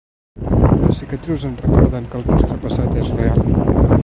Les cicatrius ens recorden que el nostre passat és real.